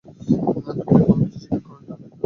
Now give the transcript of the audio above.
তুমি কি কোন কিছু স্বীকার করানোর জন্য এইটা লুকায় রেখেছ?